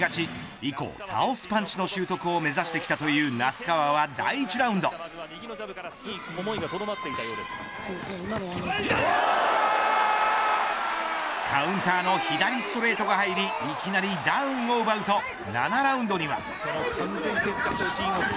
以降倒すパンチの習得を目指してきたという那須川が第１ラウンドカウンターの左ストレートが入りいきなりダウンを奪うと７ラウンドには。